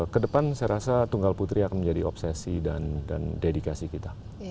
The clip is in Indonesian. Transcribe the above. kedepan saya rasa tunggal putri akan menjadi obsesi dan dedikasi kita